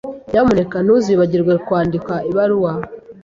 Nyamuneka ntuzibagirwe kwandika ibaruwa.